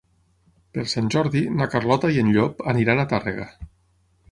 Per Sant Jordi na Carlota i en Llop aniran a Tàrrega.